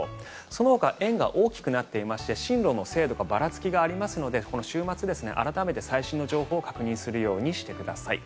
そのほか円が大きくなっていまして進路の精度にばらつきがありますので週末、改めて最新の情報を確認するようにしてください。